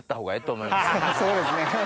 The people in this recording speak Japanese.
そうですね。